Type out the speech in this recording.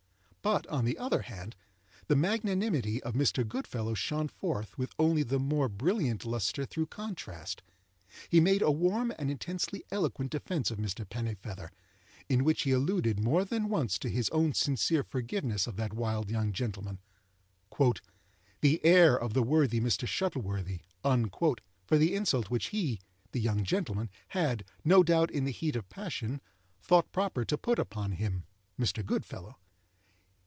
But, on the other hand, the magnanimity of Mr. Goodfellow shone forth with only the more brilliant lustre through contrast. He made a warm and intensely eloquent defence of Mr. Pennifeather, in which he alluded more than once to his own sincere forgiveness of that wild young gentleman—"the heir of the worthy Mr. Shuttleworthy,"—for the insult which he (the young gentleman) had, no doubt in the heat of passion, thought proper to put upon him (Mr. Goodfellow).